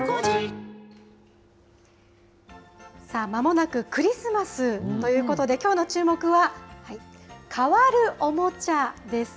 まもなくクリスマスということで、きょうのチューモク！は変わるおもちゃです。